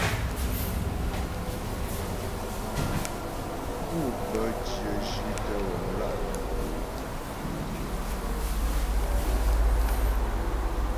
Pû bə́ dyə̂ zhí'tə ghɔmlá' bǐ po.